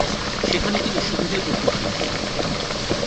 সেখানে তিনি সুবিধে করতে পারেননি।